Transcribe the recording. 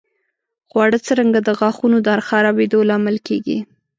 خواړه څرنګه د غاښونو د خرابېدو لامل کېږي؟